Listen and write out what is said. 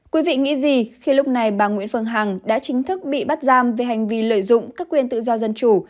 quý vị nghĩ gì khi lúc này bà nguyễn phương hằng đã chính thức bị bắt giam về hành vi lợi dụng các quyền tự do dân chủ